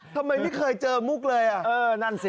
ทำไมไม่เคยเจอมุกเลยอ่ะเออนั่นสิ